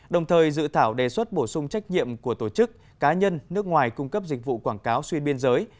đồng thời dự thảo đề xuất bổ sung trách nhiệm của tổ chức cá nhân nước ngoài cung cấp dịch vụ quảng cáo xuyên biên giới